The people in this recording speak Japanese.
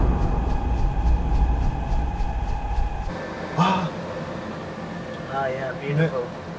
あっ！